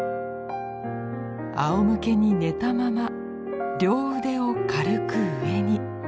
あおむけに寝たまま両腕を軽く上に。